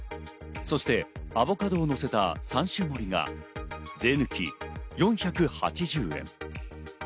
そしてアボカドを乗せた３種類が税抜き４８０円。